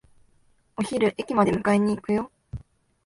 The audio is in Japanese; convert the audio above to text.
お昼、駅まで迎えに行くよ。